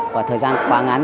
và thời gian quá ngắn